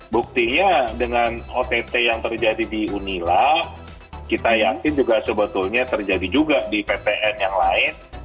buktinya dengan ott yang terjadi di unila kita yakin juga sebetulnya terjadi juga di ptn yang lain